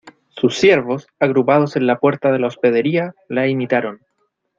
sus siervos, agrupados en la puerta de la hospedería , la imitaron